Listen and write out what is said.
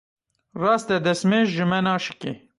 Rast e destmêj ji me naşikê.